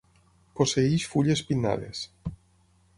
Posseeix fulles pinnades.